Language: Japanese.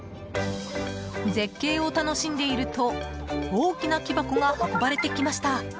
絶景を楽しんでいると大きな木箱が運ばれてきました。